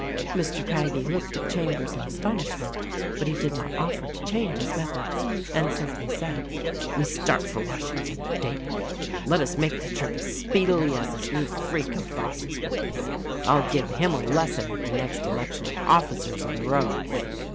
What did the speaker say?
THE RECORDING ANGEL 179 Mr. Craggie looked at Chambers in astonishment ; but he did not offer to change his methods, and simply said, "We start for Washington at daybreak — let us make the trip as speedily as this new freak of Voss's will permit. I'll give him a lesson at the next election of officers of the road."